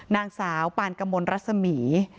นางสาวปานกมลรัศมี